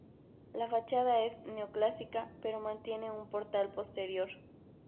La fachada es neoclásica pero mantiene un portal posterior.